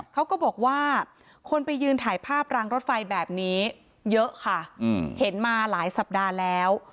เขาก็บอกว่าคนไปยืนถ่ายภาพรางรถไฟแบบนี้เยอะค่ะเห็นมาหลายสัปดาห์แล้ว